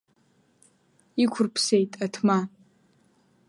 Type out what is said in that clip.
Иқәрԥсеит Аҭма.